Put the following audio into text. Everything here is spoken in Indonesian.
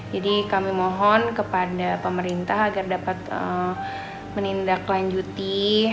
jadi kami mohon kepada pemerintah agar dapat menindaklanjuti